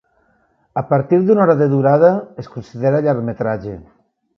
A partir d'una hora de durada es considera llargmetratge.